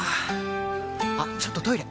あっちょっとトイレ！